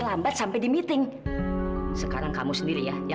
sampai jumpa di video selanjutnya